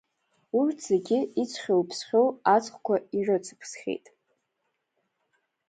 Урҭ зегьы иӡхьоу иԥсхьоу аҵыхқәа ирыцыԥсхьеит.